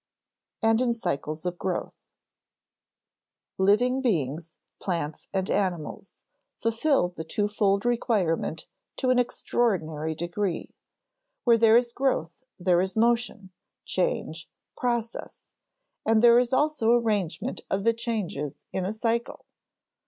[Sidenote: and in cycles of growth] Living beings, plants, and animals, fulfill the twofold requirement to an extraordinary degree. Where there is growth, there is motion, change, process; and there is also arrangement of the changes in a cycle.